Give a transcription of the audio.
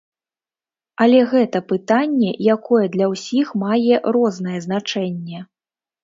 Але гэта пытанне, якое для ўсіх мае рознае значэнне.